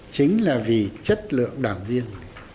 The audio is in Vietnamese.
chính là vì chất lượng đảng viên